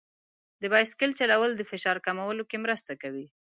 د بایسکل چلول د فشار کمولو کې مرسته کوي.